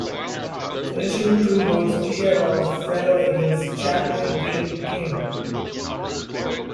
Finishing two votes clear of fellow Eagles' champion Dean Kemp.